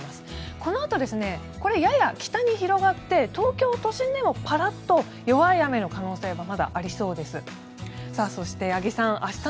このあとこれ、やや北に広がって東京都心でもパラッと弱い雨の可能性もまだありそうです。